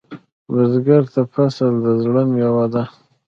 بزګر ته فصل د زړۀ میوه ده